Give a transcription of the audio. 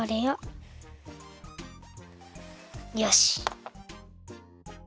よし！